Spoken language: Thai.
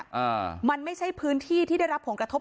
อ่ามันไม่ใช่พื้นที่ที่ได้รับผลกระทบ